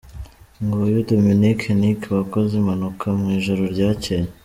Nguyu Dominic Nic wakoze impanuka mu ijoro ryacyeye.